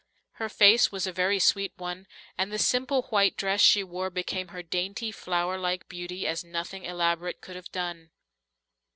Her face was a very sweet one, and the simple white dress she wore became her dainty, flowerlike beauty as nothing elaborate could have done.